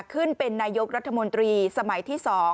ขึ้นเป็นนายกรัฐมนตรีสมัยที่๒